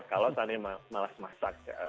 kalau saatnya malas masak di pagi hari gitu ya